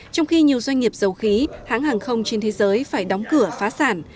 trong khi nhiều doanh nghiệp dầu khí hãng hàng không trên thế giới phải đóng cửa phá sản